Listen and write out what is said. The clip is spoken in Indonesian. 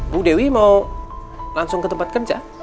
bu dewi mau langsung ke tempat kerja